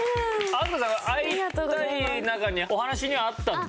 飛鳥さん会いたい中にお話にはあったんだ。